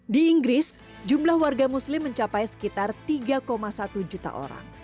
di inggris jumlah warga muslim mencapai sekitar tiga satu juta orang